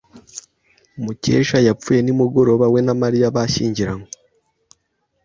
Mukesha yapfuye nimugoroba we na Mariya bashyingiranywe.